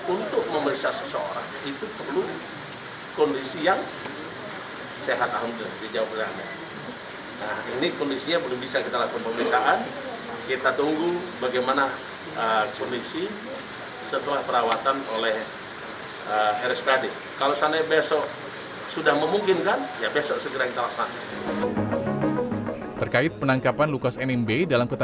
untuk memeriksa seseorang itu perlu kondisi yang sehat